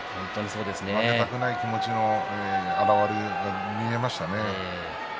負けたくない気持ちの表れが見えましたね。